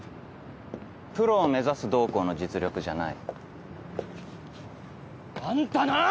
プロを目指すどうこうの実力じゃない。あんたなぁ！